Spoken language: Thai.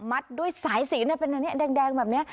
มัดด้วยสายสีน่ะเป็นอันนี้แดงแดงแบบเนี้ย